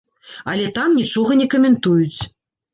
Але там нічога не каментуюць.